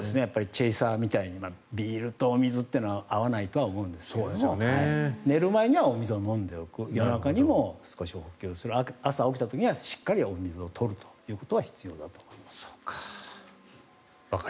チェイサーみたいのでビールとお水というのは合わないと思うんですが寝る前にはお水を飲んでおく夜中にも少し補給する朝、起きた時にはしっかりお水を取るということはそうか。